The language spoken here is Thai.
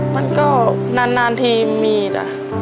มันก็นานทีมีจ้ะ